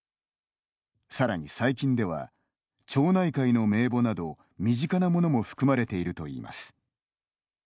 さらに、最近では町内会の名簿など身近なものも含まれているといいます。